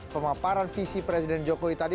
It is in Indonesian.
pemaparan visi presiden jokowi tadi